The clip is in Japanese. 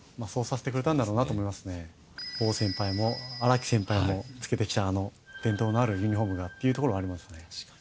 王先輩も荒木先輩も着けて来たあの伝統のあるユニホームがっていうところはありますね。